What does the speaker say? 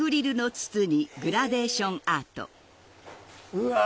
うわ！